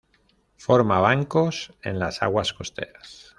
Forma bancos en las aguas costeras.